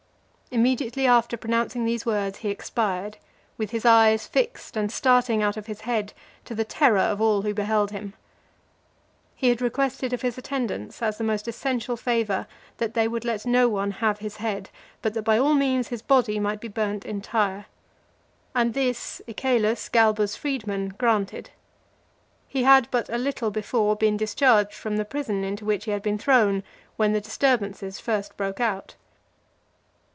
Immediately after pronouncing these words, he expired, with his eyes fixed and starting out of his head, to the terror of all who beheld him. He had requested of his attendants, as the most essential favour, that they would let no one have his head, but that by all means his body might be burnt entire. And this, Icelus, Galba's freedman, granted. He had but a little before been discharged from the prison into which he had been thrown, when the disturbances first broke out.